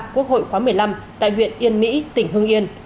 quốc hội khóa một mươi năm tại huyện yên mỹ tỉnh hưng yên